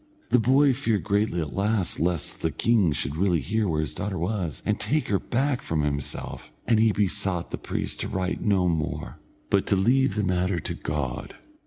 The boy feared greatly at last, lest the king should really hear where his daughter was, and take her back from himself, and he besought the priest to write no more, but to leave the matter to God.